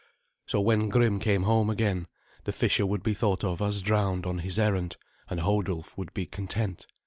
So when Grim came home again the fisher would be thought of as drowned on his errand, and Hodulf would be content.